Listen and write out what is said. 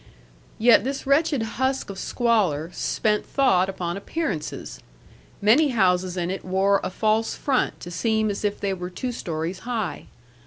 Yet this wretched husk of squalor spent thought upon appearances; many houses in it wore a false front to seem as if they were two stories high.